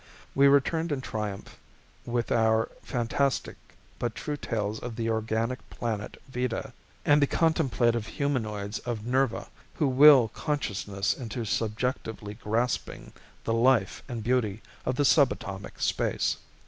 We returned in triumph with our fantastic but true tales of the organic planet Vita and the contemplative humanoids of Nirva who will consciousness into subjectively grasping the life and beauty of subatomic space.